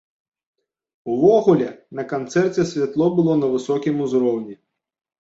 Увогуле, на канцэрце святло было на высокім ўзроўні.